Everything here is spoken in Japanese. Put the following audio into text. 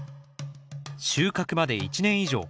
収穫まで１年以上。